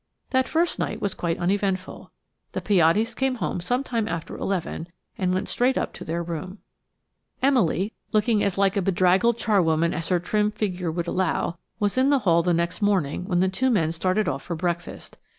That first night was quite uneventful. The Piattis came home some time after eleven and went straight up to their room. Emily, looking as like a bedraggled charwoman as her trim figure would allow, was in the hall the next morning when the two men started off for breakfast.